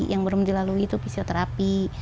yang belum dilalui itu fisioterapi